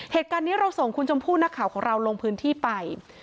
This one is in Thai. เหตุการณ์นี้เราส่งคุณชมพู่นักข่าวของเราลงพื้นที่ไป